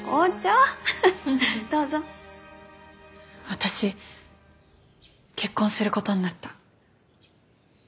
私結婚する事になった。